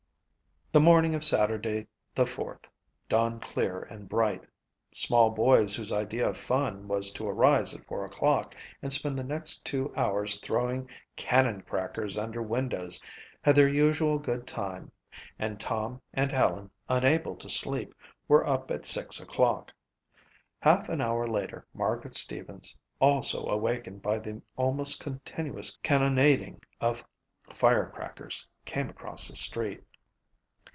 The morning of Saturday, the Fourth, dawned clear and bright. Small boys whose idea of fun was to arise at four o'clock and spend the next two hours throwing cannon crackers under windows had their usual good time and Tom and Helen, unable to sleep, were up at six o'clock. Half an hour later Margaret Stevens, also awakened by the almost continuous cannonading of firecrackers, came across the street.